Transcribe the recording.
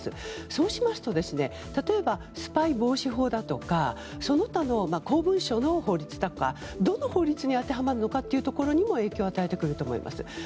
そうしますと、例えばスパイ防止法だとか、その他の公文書の法律とかどの法律に当てはまるかにも影響を与えてくると思います。